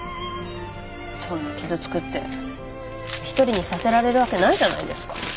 そんな傷つくって一人にさせられるわけないじゃないですか。